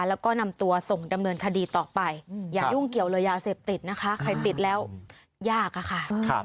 แล้วก็นำตัวส่งดำเนินคดีต่อไปอย่ายุ่งเกี่ยวเลยยาเสพติดนะคะใครติดแล้วยากอะค่ะ